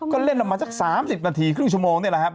ก็เล่นประมาณสัก๓๐นาทีครึ่งชั่วโมงนี่แหละครับ